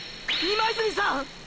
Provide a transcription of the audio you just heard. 今泉さん！！